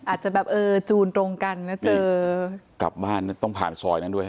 อาจจะแบบเออจูนตรงกันนะเจอกลับบ้านต้องผ่านซอยนั้นด้วยฮ